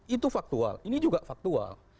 itu faktual ini juga faktual